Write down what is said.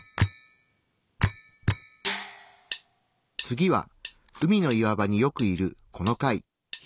次は海の岩場によくいるこの貝。